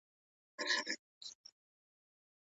سود او سلم ټولنه له ستونزو سره مخ کوي.